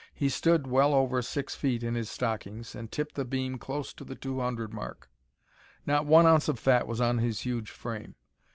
He stood well over six feet in his stockings and tipped the beam close to the two hundred mark. Not one ounce of fat was on his huge frame.